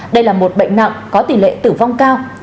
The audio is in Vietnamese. đây là một bệnh nặng có tỷ lệ tử vong cao